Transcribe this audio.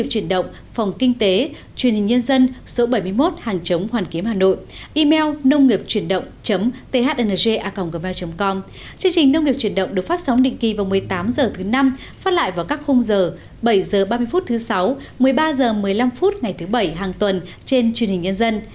chương trình nông nghiệp chuyển động được phát sóng định kỳ vào một mươi tám h thứ năm phát lại vào các khung giờ bảy h ba mươi phút thứ sáu một mươi ba h một mươi năm phút ngày thứ bảy hàng tuần trên truyền hình nhân dân